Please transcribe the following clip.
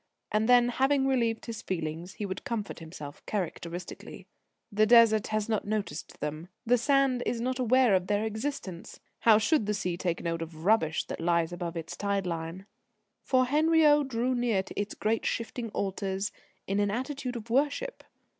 And then, having relieved his feelings, he would comfort himself characteristically: "The Desert has not noticed them. The Sand is not aware of their existence. How should the sea take note of rubbish that lies above its tide line?" For Henriot drew near to its great shifting altars in an attitude of worship.